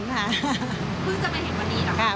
พึ่งจะมาเห็นขนาดนี้หรอ